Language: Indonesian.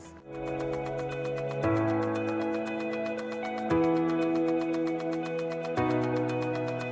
apa nama yang bisa kita gunakan untuk membuat produk ini